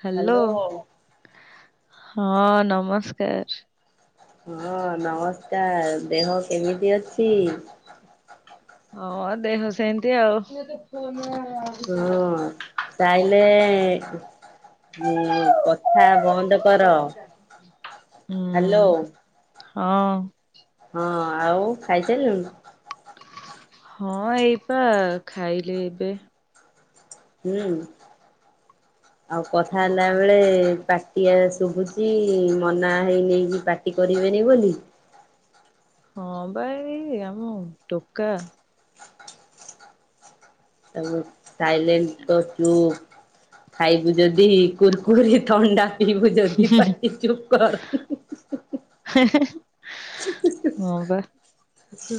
Hello ହଁ ନମସ୍କାର ହଁ ନମସ୍କାର ଦେହ କେମିତି ଅଛି ହଁ ଦେହ ସେମିତି ଆଉ ହଁ ତାହଲେ ମୁଁ କଥା ବନ୍ଦ କର ହ୍ୟାଲୋ ହୁଁ ହଁ ହଁ ଆଉ ଖାଇସାରିଲଣି ହଁ ଏଇପା ଖାଇଲି ଏବେ ହୁଁ ଆଉ କଥା ହଁ ହେଲା ବେଳେ ପା କିଏ ଶୁଭୁଛି ମନା ହେଇ ନେଇକି ପାଟି କରିବେନି ବୋଲି ହଁ ବା ଏଇ ଆମ ଟୋକା ତାପ ସାଇଲେଣ୍ଟ ତ ଚୁପ ଖାଇବୁ ଯଦି କୁର୍କୁରି ଥଣ୍ଡା ପିଇବୁ ଯଦି ପାଟି ଚୁପ କର ହଁ ବା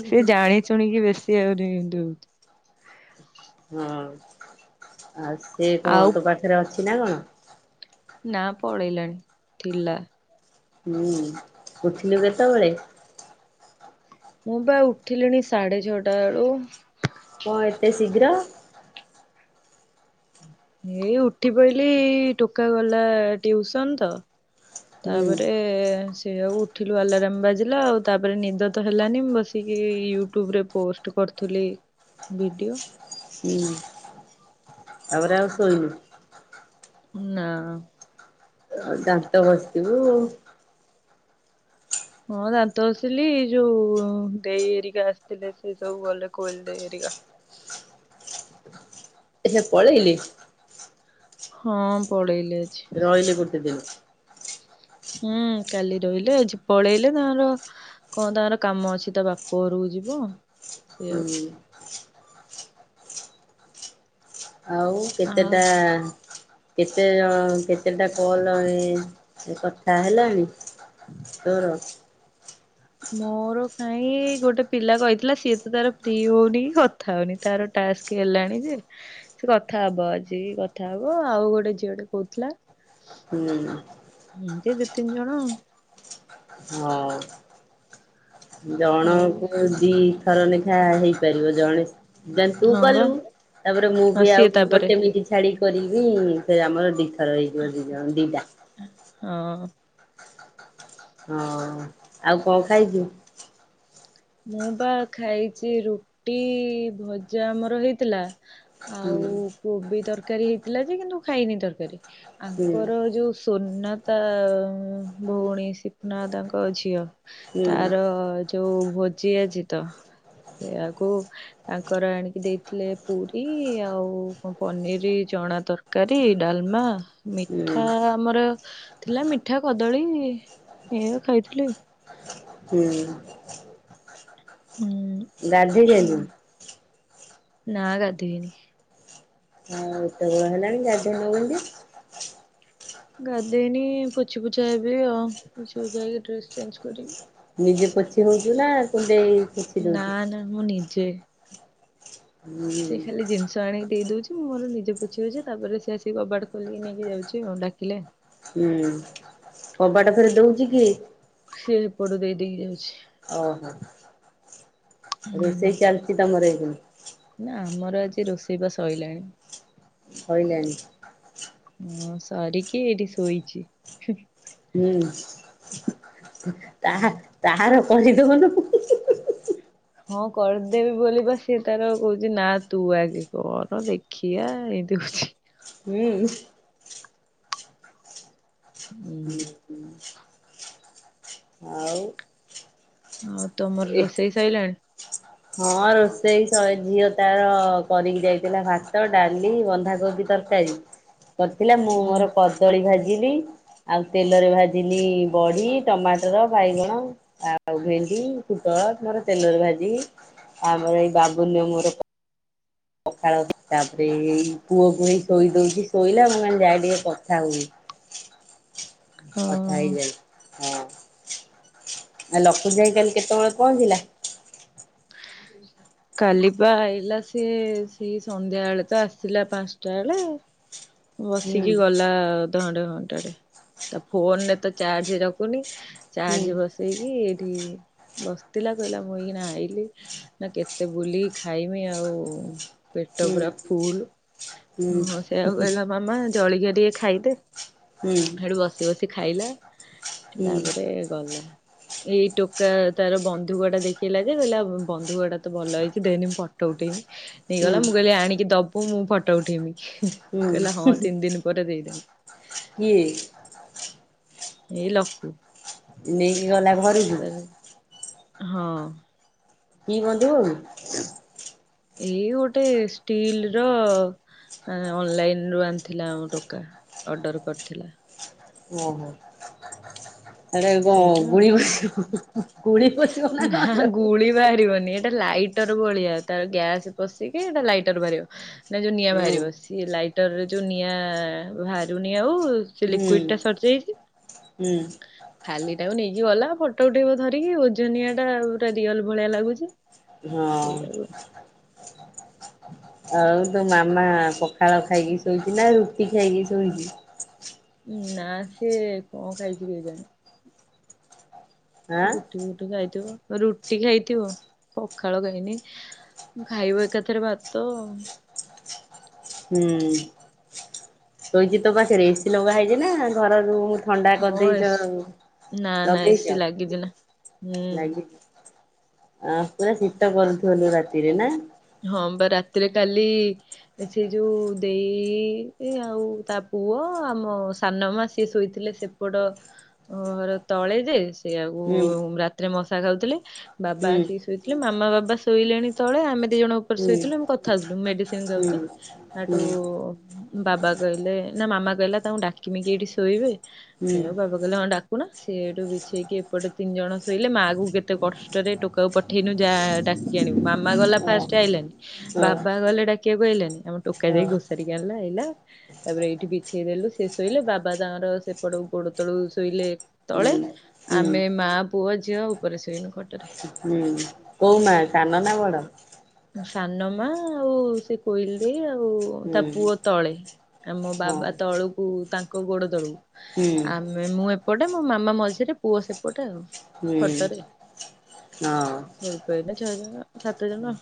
ସେ ଜାଣ ଶୁଣିକି ବେଶୀ ଆହୁରି ଏମିତି ହଉଛି ହଁ ଆଉ ସିଏ କଣ ଆଉ ତୋ ପାଖରେ ଅଛି ନା କଣ ନା ପଳେଇଲାଣି ଥିଲା ହୁଁ ଉଠିଲୁ କେତେବେଳେ ମୁଁ ବା ଉଠିଲିଣି ସାଢେ ଛଅଟା ବେଳୁ କ ଏତେ ଶୀଘ୍ର ଏଇ ଉଠି ପଇଲି ଟୋକା ଗଲା ଟିଉସନ ତ ହୁଁ ତାପରେ ସେ ଆଉ ଉଠିଲୁ ଆଲାରମ ବାଜିଲା ଆଉ ତାପରେ ନିଦ ତ ହେଲାନି ମୁଁ ବସିକି ୟୁଟ୍ୟୁବରେ ପୋଷ୍ଟ କରୁଥିଲି ଭିଡ଼ିଓ ହୁଁ ତାପରେ ଆଉ ଶୋଇନୁ ନା ଆଉ ଦାନ୍ତ ଘସିବୁ ହଁ ଦାନ୍ତ ଘସିଲି ଯୋଉ ଦେଇ ଏରିକା ଆସିଥିଲେ ସେ ସବୁ ଗଲେ କୋଇଲି ଦେଇ ଏରିକା ସେ ପଳେଇଲେ ହଁ ପଳେଇ ରହିିଲେ ଗୋଟେ ଦିନ ହୁଁ କାଲି ରହିଲେ ଆଜିପଳେଇଲେ ତାଙ୍କର କଣ ତାଙ୍କର କାମ ଅଛି ତା ବାପ ଘରକୁ ଯିବ। ସେଇଆକୁ ହୁଁ। ଉଁ ଆ କେତେଟା କେତେ ଜ କେତେଟା କଲ ଏଁ କଥା ହେଲଣିି? ତୋର? ମୋର କାଇଁ ଗୋଟେ ପିଲା କହିଥିଲା ସିଏ ତ ତାର ଫ୍ରି ହଉନି କଥା ହଉନି ତାର ଟାସ୍ କି ହେଲାଣି ଯେ ସେ କଥା ହବ ଆଜି କଥା ହବ ଆଉ ଗୋଟେ ଝିଅ ଟେ କହୁଥିଲା। ହୁଁ। ହୁଁ ତେ ଦିଇ ତିନି ଜଣ ଆଉ। ହଁ। ଜଣ ଆଉ କୁ ଦିଥର ଲେଖା ହେଇପାରିବ ଜଣେ ଜାଣ ତୁ ହଁ ବା କଲୁ ତାପରେ ମୁଁ ହଁ ବି ସିଏ ଆଉ ତାପରେ ଗୋଟେ ମିନିଟି ଛାଡ଼ି କରିବି ସେ ଆମର ଦିଇଥର ହେଇଯିବ ଦିଇ ଜଣ ଦିଇଟା। ହଁ। ହଁ ଆଉ କଣ ଖାଇଚୁ? ମୁଁ ବା ଖାଇଚି ରୁଟି ଭଜା ଆମର ହେଇଥିଲା। ଆଉ ହୁଁ। କୋବି ତରକାରୀ ହେଇଥିଲା ଯେ କିନ୍ତୁ ଖାଇନି ତରକାରୀ ହୁଁ ଆଙ୍କର ଯୋଉ ସୁନା ତା ଭଉଣୀ ସିପୁନା ଦାଦା ନକନ ଝିଅ ହୁଁ ତାର ଯୋଉ ଭୋଜି ଅଛି ତ ସେୟାକୁ ତାଙ୍କର ଆଣିକି ଦେଇଥିଲେ ପୁରୀ ଆଉ କଣ ପନିର ଚଣା ତରକା କରି ଡଲମା ହୁଁ ମିଠା ଆମର ଥିଲା ମିଠା କଦଳୀ ଏଇଆ ଖାଇଥିଲି ଆଉ। ହୁଁ। ଗାଧେଇ ଉଁ ସାଇଲୁଣି? ନା ଗାଧେଇନି। ହଁ ଏତବେଳ ହେଲାଣି ଗାଧେଇନୁ କେନ୍ତି? ଗାଧେଇନି ପୋଛି ପୋଛା ହେବି ଆଉ ପୋଛି ପୁଛା ହେଇକି ଡ୍ରେସ ଚେଞ୍ଜ କରିବି। ନିଜେ ପୋଛି ହଉଚୁ ନା କୁନଦେଇ ନା ନା ମୁଁ ନିଜେ। ହୁଁ ସେ ଖାଲି ଜିନି ତ ଆଣିକି ଦେଇ ଦଉଚି ମୁଁ ମୋର ନିଜେ ପୋଛି ହୋଉଚି ତାପରେ ସିଏ ଆସିକି କବାଟ ଖୋଲିକି ନେଇକି ଯାଉଚି ଆଉ ଡାକିଲେ। ହୁଁ କବାଟ ଫେରେ ଦଉଚି କିଏ? ସିଏ ସେପଡୁ ଦେଇ ଦେଇକି ଯାଉଚି। ଓହୋ ହୁଁ ରୋଷେଇ ଚାଲିଚି ତମର ଏଇଖୁନି? ନା ଆମର ଆଜି ରୋଷେଇ ବା ସୋଇଲାଣି। ସଇଲାଣି। ହଁ ସରିକି ଏଇଠି ଶୋଇଚି ହୁଁ। ହୁଁ ତାହା ତାହାର କରିଦଉନୁ। ହଁ କରିଦେବି ବୋଲି ବା ସି ତାର କହୁଚି ନା ତୁ ଆଗେ କର ଦେଖିଆ ଏମିତି କହୁଚି। ହୁଁ। ହୁଁ। ହୁଁ। ଆଉ ଆଉ ତମର ଏ ରୋଷେଇ ସାଇଲାଣି? ହଁ ରୋଷେଇ ସଇ ଝିଅ ତାର କରିକି ଯାଇଥିଲା ଭାତ ଡାଲି ବନ୍ଧାକୋବି ତରକାରୀ। ହ କରିଥିଲା ମୁଁ ମୋର କଦଳୀ ଭାଜିଲି। ଆଉ ତେଲରେ ଭାଜିଲି ବଡି ଟମାଟର ବାଇଗଣ। ଆଉ ଭେଣ୍ଡି ପୁଟଲ ମୋର ତେଲରେ ଭାଜିକି। ଆମର ଏଇ ବାବୁନୁ ମୋର ପଖାଳ ତାପରେ ଏଇ ପୁଅକୁ ନେଇ ଶୋଇ ଦେଇକି ଶୋଇଲା ମାନେ ମୁଁ ଯାଏ ଟିକେ କଥା ହୁଏ। ହଁ ହଁ କଥାହେଇ ଯାଇ। ଆ ଲଖୀ ଯାଇ କାଲି କେତବଳେ ପହଞ୍ଚିଲା? [unintelligible] କାଲି ପା ଆଇଲା ସିଏ ସେଇ ସନ୍ଧ୍ୟାବେଳେ ତ ଆସିଲା ପାନ୍ସଟା ବେଳେ। ହ। ବସିକି ହୁଁ ଗଲା ଅଧଘଣ୍ଟେ ଘଣ୍ଟାଟେ ତା ଫୋନ ଏତେ ଚାର୍ଜେ ରଖୁନି। ହୁଁ ଚାର୍ଜ ବସେଇକି ଏଇଠି ବସଥିଲା କହିଲା ମୁଁ ଏଇଖୀନା ଆଇଲି। ନା କେତେ ବୁଲି ଖାଇମି ଆଉ। ପେଟ ହୁଁ ପୁରା ଫୁଲ ହୁଁ ହଁ ସେ ଆଉ କହିଲା। ମାମା ଜଳିଖୀଆ ଟିକେ ଖାଇଦେ ହୁଁ ହେଠୁ ବସି ବସି ଖାଇଲା। ହୁଁ ତାପରେ ଗଲା ଏଇ ଟୋକା ତାର ବନ୍ଧୁକ ଟା ଦେଖେଇଲା ଯେ କହିଲା। ବନ୍ଧୁକଟା ତ ଭଲ ହେଇଛି ଦେନି ମୁଁ ଫଟ ଉଠେଇମି ହୁଁ ନେଇଗଲା ମୁଁ କହିଲି ଆଣିକି ଦ ବୁ ମୁଁ ଫଟ ଉଠେଇମି ହୁଁ କହିଲା ହଁ ତିନି ଦିନ ପରେ ଦେଇଦେଲା। କିଏ? ଏଇ ଲକୁ। ନେଇକି ଗଲା ଘରୁକୁ। [unintelligible] ହଁ। କି ବନ୍ଧୁ? ଏଇ ଗୋଟେ ଷ୍ଟିଲ ର। ଆଁ ଅନଲାଇନୁ ଆଣଥିଲା ଆମ ଟୋକା ଅର୍ଡ଼ର କରିଥିଲା। ଓହୋ ଏଟାରେ କଣ ସେଇଟା ଆଉ। ଗୁଳି [unintelligible] ଊଂହ ଗୁଳି ଫୁଟିବ ନା କଣ ଲୋ? ଗୁଳି ବାହାରିବନି ଏଇଟା ଲାଇଟର ଭଳିଆ ତାର ଗ୍ୟାସ ପଶିକି ଏଇଟା ଲାଇଟର ବାହାରିବ ନା ଯୋଉ ନିଆଁ ହୁଁ ବାହାରିବ। ସିଏ ଲାଇଟରରେ ଯୋଉ ନିଆଁ ବାହାରୁନି ଆଉ। ସେ ହୁଁ ଲିକୁଇଡ ଟା ସରଯାଇଛି। ହୁଁ ଖାଲିଟାକୁ ନେଇକି ଗଲା ଫଟୋ ଉଠେଇବ ଧରିକି ଓଜନିଆ ଟା ପୁରା ରିଅଲ ଭଳିଆ ଲାଗୁଛି। ସେଇଆକୁ ହଁ। [inaudible] ଆଉ ତୋ ମାମା ପଖାଳ ଖାଇକି ଶୋଇଚି ନା ରୁଟି ଖାଇକି ଶୋଇଚି? ନା ସିଏ କଣ ଖାଇଛି କେଜାଣି। ଆଁ ରୁଟି ଫୁଟି ଖାଇଥିବ ରୁଟି ଖାଇଥିବ ପଖାଳ ଖାଇନି। ଉଁ ଖାଇବ ଏକାଥରେ ଭାତ। ହୁଁ ଶୋଇଚି ତୋ ପାଖେରେ ଏସି ଲଗା ହେଇଛି ନା ଘର ଯୋଉ ଥଣ୍ଡା ହଁ କରିଦେଇଚ ଏସି ଆଉ ନା ନା ଏସି ଲଗେଇଚ। ଲାଗିଛି ନା ହୁଁ। ଲାଗଛି ଆ ପୁରା ଶୀତ କରୁଥିବ ନୁହଁ ରାତିରେ ନା? ହଁ ବା ରାତିରେ କାଲି। ଏ ସେଇ ଯୋଉ ଦେଇ ଆଉ ତା ପୁଅ ଆମ ସାନମା ସିଏ ଶୋଇଥିଲେ ସେ ପଟ ଉଁ ର ତଳେ ଯେ। ସେଆକୁ ହୁଁ ରାତିରେ ମଶା ଖାଉଥିଲେ ବାବା ହୁଁ ଆସି କି ଶୋଇଥିଲେ ମାମା ବାବା ଶୋଇଲେଣି ତଳେ ଆମେ ଦି ଜଣ ଉପରେ ହୁଁ ଶୋଇଥିଲୁ ଆମେ କଥାହଉଥିଲୁ ମେଡିସିନ ଯାଉଚି ହେଇଠୁ ବାବା କହିଲେ ନା ମାମା କହିଲା ତାଙ୍କୁ ଡାକିମି କି ଏଇଠି ଶୋଇବେ? ସେଉ ବାବା କଇଲେ ହଁ ଡାକୁନ। ସେଏଠୁ ବିଛେଇକି ଏପଟେ ତିନିଜଣ ଶୋଇଲେ ମାଆକୁ କେତେ କଷ୍ଟରେ ଟୋକକୁ ପ ଠେନୁ ଯା ଡା କି ଆଣିବୁ। ମାମା ଗଲା ଫାଷ୍ଟ ଆଇଲାନି ବାବା କୋଉ ଗଲେ ଡାକିବାକୁ ଆଇଲାନି ଆମ ଟୋକା ଯାଇ ଘୋଷାଡ଼ି କି ଆଣିଲା ଆଇଲା। ତାପରେ ଏଇଠି ବିଛେଇ ଦେଲୁ ସେ ଶୋଇଲେ ବାବା ତାଙ୍କର ସେପଟ ଗୋଡ ତଳୁ କୁ ଶୋଇଲେ ତଳେ ଆମେ ମା ପୁଅ ଝିଅ ଉପରେ ଶୋଇନୁ ଖଟରେ। ହୁଁ କୋଉ ମା ସାନ ନା ବଡ? ସାନମା ଆଉ ସେ କୋଇଲି ଦେଇ ଆଉ ହୁଁ ତା ପୁଅ ତଳେ ଆ ମୋ ହଁ ବାବା ତଳକୁ ତାଙ୍କ ଗୋଡ ତଳକୁ। ହୁଁ। ମୁଁ ଏପଟେ ମୋ ମାମା ମଝିରେ ପୁଅ ସେପଟେ ଆଉ। ହୁଁ ଖଟରେ ହଁ ଆଉ ଶୋଇ ପଡ଼ିଲେ ଛଅ ଜଣ ସାତ ଜଣ।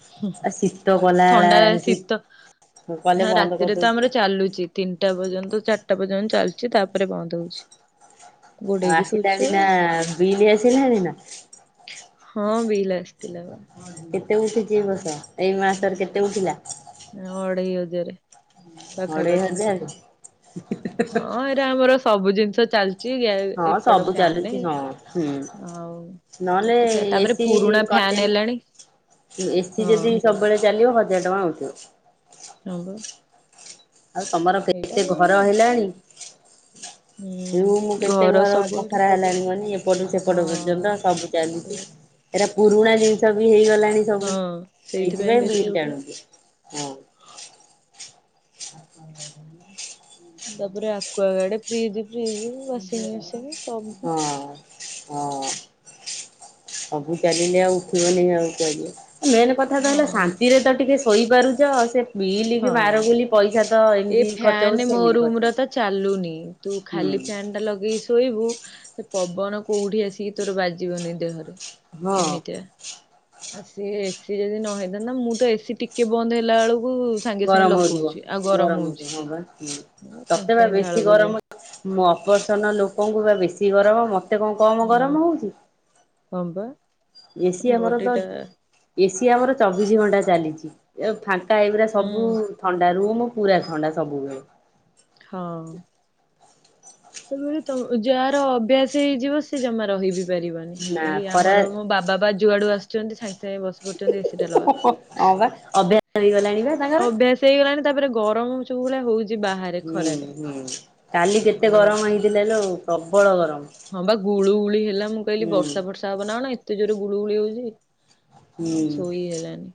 ଶୀତ କଲା ଥଣ୍ଡା ଶୀ ଶୀତ କଲେ ବନ୍ଦ ରାତିରେ ତ କରିଦଉଛୁ ଆମର ଚା ଚାଲୁଚି ତିନିଟା ପର୍ଯ୍ୟନ୍ତ ଚାରିଟା ପର୍ଯ୍ୟନ୍ତ ଚାଲୁଚି ତାପରେ ବନ୍ଦ ହଉଚି। ଆଉ ଘୋଡେଇକି ଶୋଉଛୁ ଆସିଲାଣି ନା ବିଲ ଆସିଲାଣିି ନା? ହଁ ବିଲ ଆସିଥିଲା ବା। କେତେ ଉଠିଚି ଏ ବର୍ଷ ଏଇ ମାସରେ କେତେ ଉଠିଲା? ଅଢ଼େଇ ହଜାରେ। ଅଢେଇ ପାଖାପାଖି। ହଜାରେ? ଏ ଆମର ସବୁ ଜିନିଷ ଚାଲିଚି ହଁ ଏପଟ ସବୁ ଫ୍ୟାନ ଚାଲୁଛି ହଁ ହୁଁ ଆଉ ନହେଲେ କେତେ ଫ ତାପରେ ପୁରୁଣା ଫ୍ୟାନ ହେଲାଣି। ଏ ସିି ହଁ ଯଦି ସବୁବେଳେ ଚାଲିବ ହଜାର ଟଙ୍କା ଉଠିବ। ହଁ ବା। ଆଉ ତମର ଏଇଟା କେତେ ଏଇ ଘର ହେଲାଣି? ରୁମୁ ହୁଁ କେତେ ଘର ସବୁଆଡେ ବଖରା ହେଲାଣି ମାନେ ଏପଟୁ ସେପଟ ହଁ। ପର୍ଯ୍ୟନ୍ତ ସବୁ ସେ ଚାଲିଚି। ଏରା ପୁରୁଣା ଜିନିଷ ବି ହେଇଗଲାଣି ସବୁ ହଁ ସେଇଥିପାଇଁ ବିିଲ୍ ବେଶୀ ଉଠୁ ଟାଣୁଚି ହଁ। [unintelligible] ତାପରେ Aquaguard fridge fridge washing machine ହଁ ଅଁ। ହଁ। ସବୁ ଚାଲିଲେ ଆଉ ଉଠିବନି ଆଉ କୁଆଡେ ଯିବ। ମେନେ କ ଥା ତ ହେଲା ହଁ ଶାନ୍ତିରେ ତ ଟିକି ଶୋଇପାରୁଚ। ସେ ବିଲି କି ମାର ହଁ। ଗୁଲି ପଇସା ତ ଏ ଏମତି ଖର୍ଚ୍ଚ ଫ୍ୟାନ ହଉଚି ମୋ ସେମିତି ରୁମ ଖର୍ଚ ର ତ ହଉଚି। ଚାଲୁନି ତୁ ଖାଲି ଫ୍ୟାନ୍ ଟା ଲଗେଇ ଶୋଇବୁ ସେ ପବନ କୋଉଠି ଆସିକି ତୋର ବାଜିବନି ଦେହରେ। ହଁ ଏମିତିଆ। ଆଉ ସିଏ ଏ ସିି ଯଦି ନହେଇଥାନ୍ତା ମୁଁ ତ ଏ ସି ଟିକେ ବନ୍ଦ ହେଲାବେଳୁକୁ ଗରମ ହଉଥିବ ଗରମ ହଉଥିବ ହଁ ପା ହୁଁ ସାଙ୍ଗେ ତତେ ବା ସାଙ୍ଗେ ଝାଳ ବେଶୀ ବୋହିଯାଉଛି ଗରମ ମୁଁ ଅପରସନ ଲୋକଙ୍କୁ ପା ବେଶୀ ଗରମ ମୋତେ କଣ କ ହୁଁ ହଁ ପା। ଏସି ଆମର ତ ଏସିି ଆମର ଚବିଶି ଘଣ୍ଟା ଚାଲିଚି ଏ ଫାଙ୍କା ଏଇଗୁରା ହୁଁ ସବୁ ଥଣ୍ଡା ରୁମୁ ପୁରା ଥଣ୍ଡା ସବୁବେଳେ। ହଁ। ସେତେବଳେ ତମ ତ ଯାହାର ଅଭ୍ୟାସ ହେଇଯିବ ସେ ଜମା ରହିବି। ପାରିବନି ନା ଏଇ ଖରା ଆମର ମୋ ବାବା ବା ଯୁଆଡୁ ଆସଛନ୍ତି ସାଙ୍ଗେ ସାଙ୍ଗେ ବସ କହୁଚନ୍ତି ଏସି ଟା ଲଗା ହଁ ବା ଅଭ୍ୟାସ ହେଇଗଲାଣି ବା ତାଙ୍କର। ଅଭ୍ୟାସ ହେଇଗଲାଣି ତାପରେ ଗରମ ହଉଚ। ହୁଳା ହଉଚି ବା। ହୁଁ ହୁଁ କାଲି କେତେ ଆଉ ଗରମ ହେଇଥିଲା ଲୋ ପ୍ରବଳ ଗରମ୍। ହଁ ବା ଗୁଳୁ ଗୁଳି ହେଲା ମୁଁ କହିଲି ବର୍ଷା ଫର୍ଷା ହବ ନା କଣ ଏତେ ଜୋରେ ଗୁଳୁଗୁଳି ହଉଚି। ହୁଁ ମୁଁ ଶୋଇ ହେଲାନି।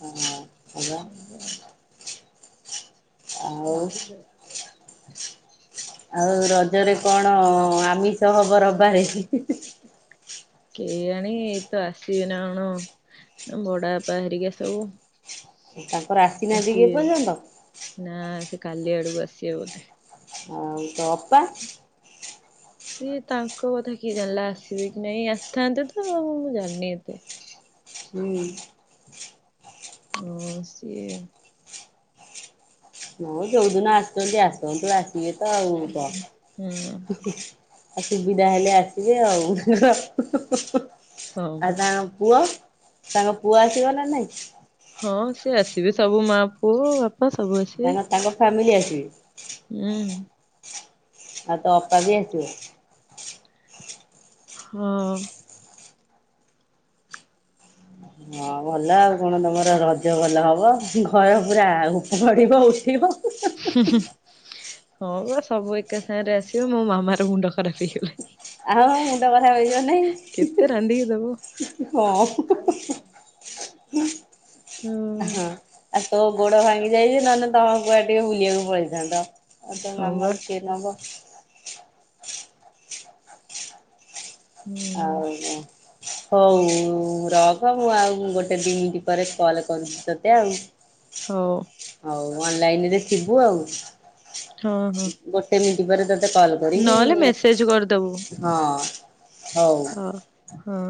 ହଁ ହଁ ବା। ଆଉ ଆଉ ରଜରେ କଣ ଆମିଷ ହବ ରବାରେ ହିଁ ହିଁ ହିଁ? କେଜାଣି ଏଇ ତ ଆସିବେ ନା କଣ ବଡ ବାପା ହେରିକା ସବୁ। ତାଙ୍କର ଉଁ, ଆସିନାହାନ୍ତି କି ଏ ସିଏ ପର୍ଯ୍ୟନ୍ତ? ନା ସେ କାଲି ଆଡକୁ ଆସିବେ ବୋଧେ। ଆଉ ତ ଅପା ସିଏ ତାଙ୍କ କଥା କିଏ ଜାଣିଲା ଆସିବେ କି ନାଇଁ ଆସିଥାନ୍ତେ ତ ଆଉ ମୁଁ ଜାଣିନି ଏତେ। ହୁଁ। ହଁ ସିଏ ହଁ ଯୋଉ ଦିନ ଆସୁଚନ୍ତି ଆସନ୍ତୁ ଆସିବେ ତ ଆଉ। ତ ହୁଁ ଅ ସୁବିଧା ହେଲେ ଆସିବେ ଆଉ ହେଁ ହଁ ଆଉ ହଉ ତାଙ୍କ ପୁଅ ତାଙ୍କ ପୁଅ ଆସିବ ନା ନାଇଁ? ହଁ ସିଏ ଆସିବେ ସବୁ ମା ପୁଅ ବାପା ସବୁ ତାଙ୍କ ଆସିବେ। ତାଙ୍କ ଫ୍ୟାମିଲି ଆସିବେ ଏଁ ହୁଁ। ଆଉ ତ ଅପା ବି ଆସିବେ। ହଁ। ହଁ ଭଲ ଆଉ କଣ ତମର ରଜ ଭଲ ହବ ଘର ପୁରା ଉଠି ପଡ଼ିବ ଉଠିବ। ହୁଁ ହୁଁ ହଁ ବା ସବୁ ଏକା ସାଙ୍ଗରେ ଆସିବେ ମୋ ମାମାର ମୁଣ୍ଡ ଖରାପ ହେଇଗଲାଣି। ଆଉ ମୁଣ୍ଡ ଖରାପ ହେଇଯିବ ନାହିଁ ହିଁ କେତେ ହିଁ ରାନ୍ଧିକି ହୁଁ ଦବ। ହୁଁ ହଁ ହୁଁ ହୁଁ ହୁଁ ହୁଁ। ହୁଁ ହୁଁ ହଁ। ଆଉ ତୋ ଗୋଡ ଭାଙ୍ଗି ଯାଇଚି ନହେଲେ ତମ କୁଆଡ଼େ ଟିକେ ବୁଲିବାକୁ ପଳେଇଥାନ୍ତ। ଆଉ ତୋ ହଁ ବା ମାମା କୁ କେତ ନବ। ହୁଁ ଆଉ କଁ? ହଉ ଉ ରଖ ମୁଁ ଆଉ ଗୋଟେ ଦି ମିନିଟ ପରେ କଲ କରୁଛି ତୋତେ ଆଉ। ହଉ। ହଉ ଅନଲାଇନରେ ଥିବୁ ଆଉ। ହଁ ହଁ। ଗୋଟେ ମିନିଟ ପରେ ତତେ କଲ କରିବି, ନହେଲେ ମେସେଜ କରିଦବୁ ହଁ ହଉ। ହ ହଁ।